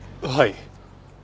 はい。